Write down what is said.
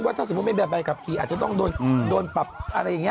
ถ้าสมมุติไม่แบบใบขับขี่อาจจะต้องโดนปรับอะไรอย่างนี้